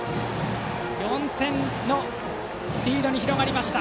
４点のリードに広がりました。